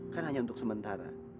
kan hanya untuk sementara